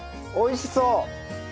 おいしそう！